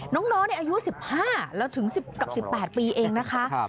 น้องน้องนี่อายุ๑๕แล้วถึงกลับ๑๘ปีเองนะคะ